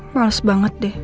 males banget deh